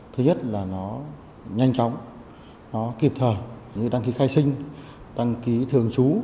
thứ nhất là nó nhanh chóng nó kịp thời như đăng ký khai sinh đăng ký thường trú